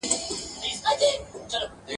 له کلو مي نمک خور پر دسترخوان دي !.